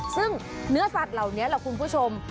ซึ่งเนื้อสัตว์เหล่านี้ล่ะคุณผู้ชม